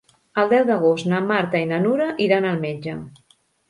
El deu d'agost na Marta i na Nura iran al metge.